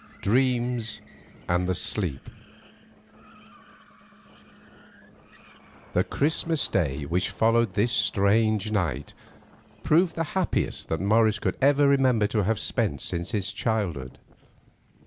DREAMS AND THE SLEEP The Christmas Day which followed this strange night proved the happiest that Morris could ever remember to have spent since his childhood.